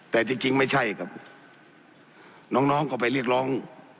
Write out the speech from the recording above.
แต่จริงไม่ใช่ครับน้องน้องก็ไปเรียกร้อง